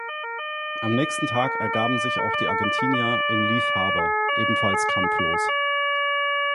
Am nächsten Tag ergaben sich auch die Argentinier in Leith Harbour, ebenfalls kampflos.